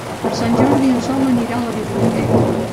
Per Sant Jordi en Sol anirà a la biblioteca.